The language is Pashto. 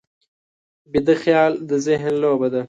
ویده خیال د ذهن لوبه ده